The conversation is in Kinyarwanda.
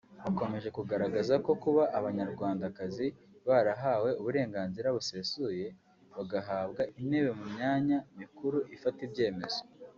Bakomeje bagaragaza ko kuba Abanyarwandakazi barahawe uburenganzira busesuye bagahabwa intebe mu myanya mikuru ifata ibyemezo